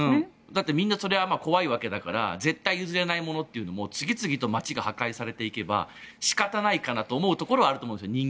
だってみんな怖いわけだから絶対譲れないものも次々と街が破壊されていけば仕方ないかなと思うところはあると思うんですよ。